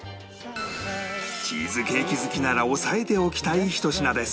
チーズケーキ好きなら押さえておきたいひと品です